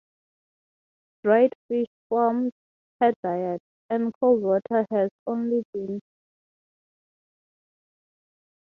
Dried fish formed her diet, and cold water was her only beverage.